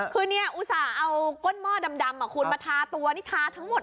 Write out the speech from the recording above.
คืออุตส่าห์เอาก้นหม้อดำมาทาตัวนี้ทาทั้งหมด